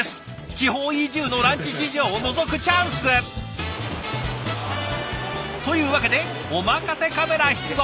地方移住のランチ事情をのぞくチャンス！というわけでお任せカメラ出動！